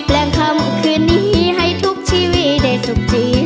คำคืนนี้ให้ทุกชีวิตได้สุขจี